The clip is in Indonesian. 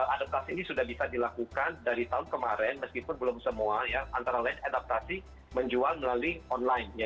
adaptasi ini sudah bisa dilakukan dari tahun kemarin meskipun belum semua ya antara lain adaptasi menjual melalui online